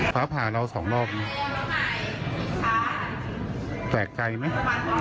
ฟ้าผ่าเราสองรอบแปลกใจไหมครับอืม